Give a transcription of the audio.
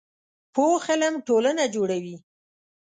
پوخ علم ټولنه جوړوي